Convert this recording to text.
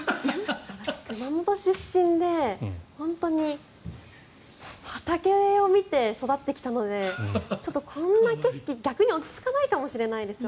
私、熊本出身で本当に畑を見て育ってきたのでこんな景色、逆に落ち着かないかもしれないです。